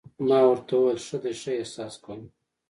ما ورته وویل: ښه ده، ښه احساس کوم.